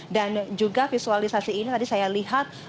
dan juga visualisasi ini tadi saya lihat